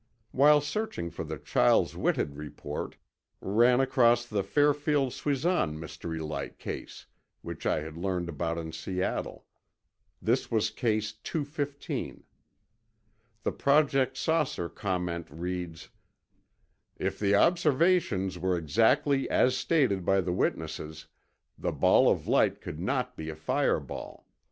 While searching for the Chiles Whitted report, ran across the Fairfield Suisan mystery light case, which I had learned about in Seattle. This was Case 215. The Project "Saucer" comment reads: "If the observations were exactly as stated by the witnesses, the ball of light could not be a fireball.